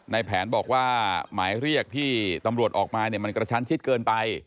ในแผนบอกว่าหมายเรียกที่ตำรวจออกมาเนี่ยมันกระชั้นชิดเกินไป